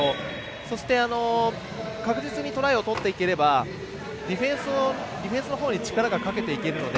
そして、確実にトライを取っていければディフェンスのほうに力がかけていけるので。